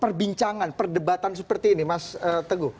perbincangan perdebatan seperti ini mas teguh